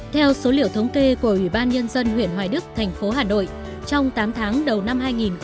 theo số liệu thống kê của ủy ban nhân dân huyện hoài đức thành phố hà nội trong tám tháng đầu năm hai nghìn một mươi chín